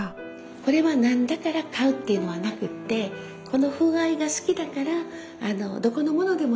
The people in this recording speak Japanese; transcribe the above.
これは何だから買うっていうのはなくてこの風合いが好きだからどこのものでもいいんです。